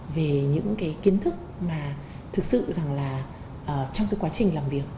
về những kiến thức mà thực sự rằng là trong quá trình làm việc